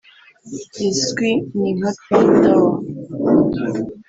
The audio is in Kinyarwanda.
Izwi ni nka Trump Tower